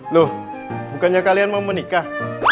loh bukannya kalian mau menikah